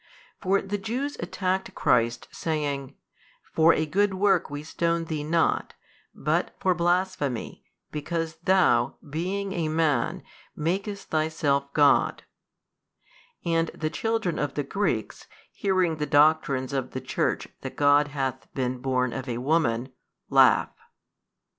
For the Jews attacked Christ saying, For a good work we stone Thee not but for blasphemy because Thou, being a Man, makest Thyself God: and the children of the Greeks, hearing the doctrines of the Church that God hath been born of a woman, laugh.